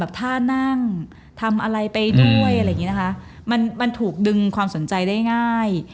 ท่านั่งทำอะไรไปด้วยอะไรอย่างนี้นะคะมันมันถูกดึงความสนใจได้ง่าย